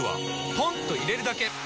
ポンと入れるだけ！